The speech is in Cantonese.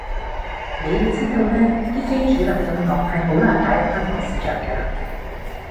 你要知道呢，啲非主流音樂，係好難打入香港市場㗎